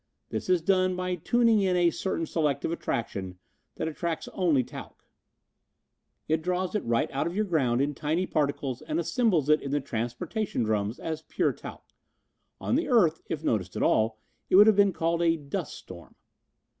This is done by tuning in a certain selective attraction that attracts only talc. It draws it right out of your ground in tiny particles and assembles it in the transportation drums as pure talc. On the earth, if noticed at all, it would have been called a dust storm.